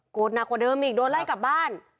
หนักกว่าเดิมอีกโดนไล่กลับบ้าน